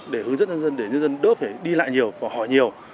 để hướng dẫn nhân dân để nhân dân đỡ phải đi lại nhiều hỏi nhiều